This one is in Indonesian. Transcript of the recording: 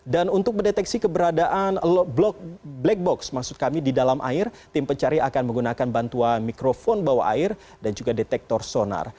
dan untuk mendeteksi keberadaan black box maksud kami di dalam air tim pencari akan menggunakan bantuan mikrofon bawa air dan juga detektor sonar